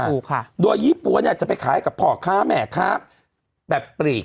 ถูกค่ะโดยยี่ปั๊วเนี่ยจะไปขายกับพ่อค้าแม่ค้าแบบปลีก